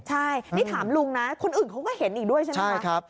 ใช่นี่ถามลุงนะคนอื่นเขาก็เห็นอีกด้วยใช่ไหม